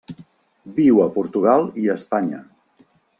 Viu a Portugal i Espanya.